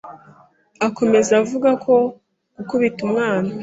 akomeza avuga ko gukubita umwana